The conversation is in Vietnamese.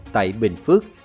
tại bình phước